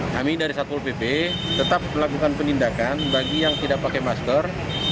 kami dari satpol pp tetap melakukan penindakan bagi yang tidak pakai masker